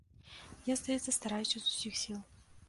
Я, здаецца, стараюся з усіх сіл.